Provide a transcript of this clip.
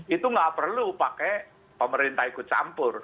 itu nggak perlu pakai pemerintah ikut campur